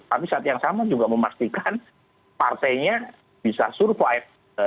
tapi saat yang sama juga memastikan partainya bisa survive